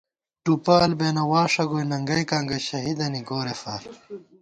ٹُوپہ البېنہ واݭہ گوئےننگئیکاں گہ شہیدَنی گورېفار